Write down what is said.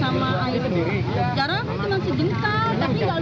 cara mungkin masih jengkal tapi gak luber dari jembatan